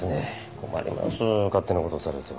困ります勝手なことをされては。